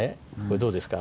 どうですか？